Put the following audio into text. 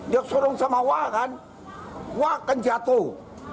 dia sorong sama wakan wakan jatuh